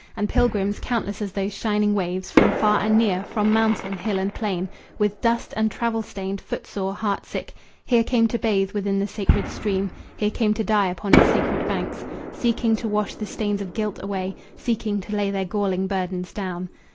And pilgrims countless as those shining waves, From far and near, from mountain, hill and plain, With dust and travel stained, foot sore, heart sick, Here came to bathe within the sacred stream, Here came to die upon its sacred banks, Seeking to wash the stains of guilt away, Seeking to lay their galling burdens down.